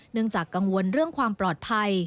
จากกังวลเรื่องความปลอดภัย